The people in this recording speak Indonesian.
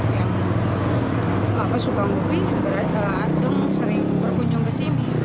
yang suka kopi sering berkunjung ke sini